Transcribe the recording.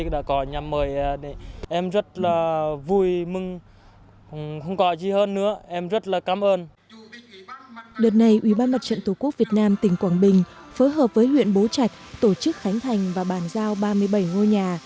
đợt này ủy ban mặt trận tổ quốc việt nam tỉnh quảng bình phối hợp với huyện bố trạch tổ chức khánh thành và bàn giao ba mươi bảy ngôi nhà